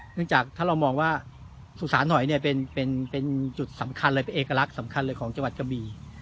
เนื่องจากถ้าเรามองว่าสุสานหอยเนี่ยเป็นจุดสำคัญเลยเป็นเอกลักษณ์สำคัญเลยของจังหวัดกะบี